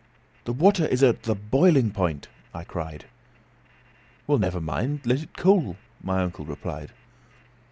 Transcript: "The water is at the boiling point," I cried. "Well, never mind, let it cool," my uncle replied.